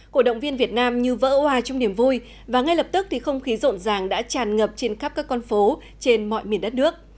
cổ động viên việt nam như vỡ hoa trong niềm vui và ngay lập tức thì không khí rộn ràng đã tràn ngập trên khắp các con phố trên mọi miền đất nước